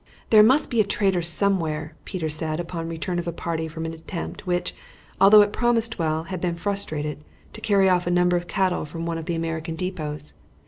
"There must be a traitor somewhere," Peter said upon the return of a party from an attempt which, although it promised well, had been frustrated, to carry off a number of cattle from one of the American depots.